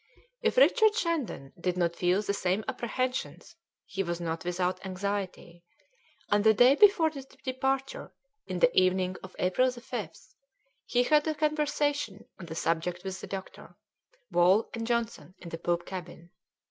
If Richard Shandon did not feel the same apprehensions he was not without anxiety, and the day before the departure, in the evening of April 5th, he had a conversation on the subject with the doctor, Wall, and Johnson in the poop cabin.